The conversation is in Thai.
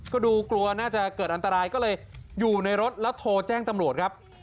ก็ดูกลัวน่าจะเกิดอันตรายก็เลยอยู่ในรถแล้วโทรแจ้งตำรวจครับ